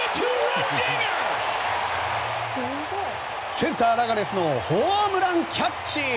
センター、ラガレスのホームランキャッチ！